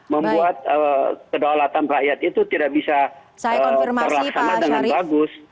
membuat kedaulatan rakyat itu tidak bisa terlaksana dengan bagus